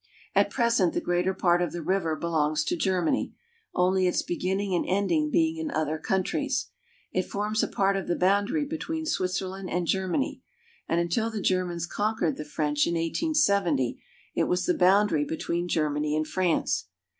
At present the greater part of the river belongs to Germany, only its beginning and ending being in other countries. It forms a part of the boundary between Switzerland and Germany; and until the Germans con 236 GERMANY. quered the French in 1870, it was the boundary between Germany and France.